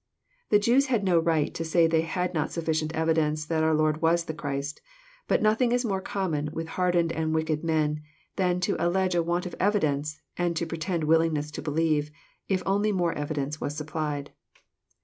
] The Jews had no right to say they had not sufficient evidence that our Lord was the Christ. But nothing is more common with hardened and wicked men than to allege a want of evidence, and to pretend willingness to believe, if only more evidence was supplied.